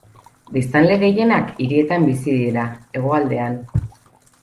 Biztanle gehienak hirietan bizi dira, hegoaldean.